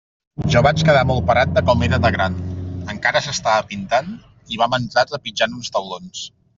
Jo vaig quedar molt parat de com era de gran; encara s'estava pintant, i vam entrar trepitjant uns taulons.